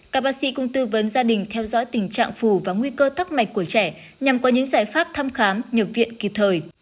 các bác sĩ cũng tư vấn gia đình theo dõi tình trạng phù và nguy cơ tắc mạch của trẻ nhằm có những giải pháp thăm khám nhập viện kịp thời